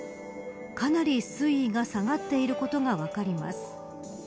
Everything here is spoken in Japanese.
かなり水位が下がっていることが分かります。